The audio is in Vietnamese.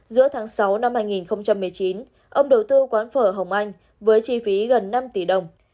giữa tháng sáu năm hai nghìn một mươi chín ông đầu tư quán phở hồng anh với chi phí gần năm tỷ đồng